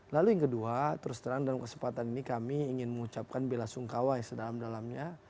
lalu yang kedua terus terang dalam kesempatan ini kami ingin mengucapkan bela sungkawa yang sedalam dalamnya